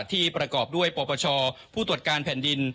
ที่ประกอบด้วยปปชผู้ตรวจการแผ่นดิน